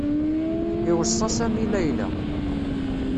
Iweṣṣa Sami Layla.